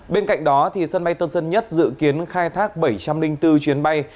bên cạnh đó sân bay tân sơn nhất dự kiến khai thác bảy trăm linh bốn chuyến bay